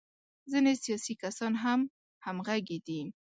ځینې سیاسي کسان هم همغږي دي.